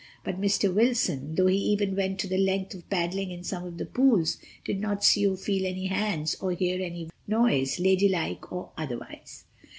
But Mr. Wilson, though he even went to the length of paddling in some of the pools, did not see or feel any hands nor hear any noise, ladylike or otherwise.